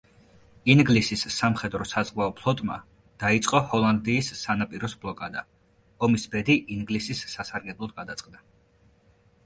ინგლისის სამხედრო-საზღვაო ფლოტმა დაიწყო ჰოლანდიის სანაპიროს ბლოკადა, ომის ბედი ინგლისის სასარგებლოდ გადაწყდა.